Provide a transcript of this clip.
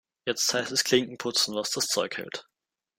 Jetzt heißt es Klinken putzen, was das Zeug hält.